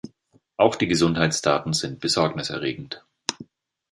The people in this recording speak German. Auch die Gesundheitsdaten sind besorgniserregend.